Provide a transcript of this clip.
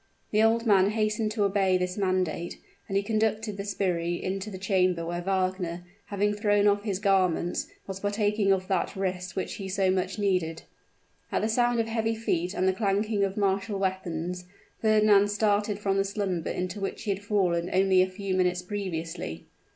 The old man hastened to obey this mandate, and he conducted the sbirri into the chamber where Wagner, having thrown off his garments, was partaking of that rest which he so much needed. At the sound of heavy feet and the clanking of martial weapons, Fernand started from the slumber into which he had fallen only a few minutes previously.